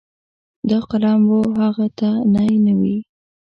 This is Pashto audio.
دا قلم و هغه ته نی نه وي.